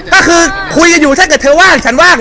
ก็คือคุยกันอยู่ถ้าเกิดเธอว่างฉันว่าง